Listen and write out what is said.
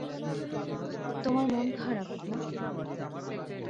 তোমার মন খারাপ না।